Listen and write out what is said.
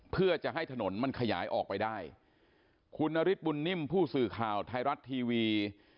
เพื่อจะให้ถนนมันขยายออกไปได้คุณนฤทธบุญนิ่มผู้สื่อข่าวไทยรัฐทีวี